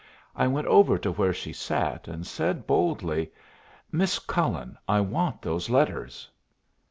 I went over to where she sat, and said, boldly, "Miss Cullen, I want those letters."